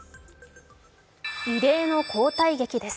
異例の交代劇です。